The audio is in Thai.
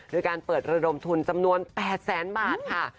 โดยการเปิดระดมทุนจำนวน๘แสนบาทค่ะ